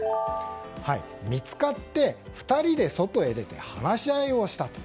見つかって、２人で外へ出て話し合いをしたと。